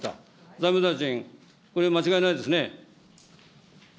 財務大臣、これ、間違いないですね。